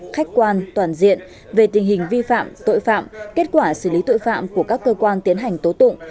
khách quan toàn diện về tình hình vi phạm tội phạm kết quả xử lý tội phạm của các cơ quan tiến hành tố tụng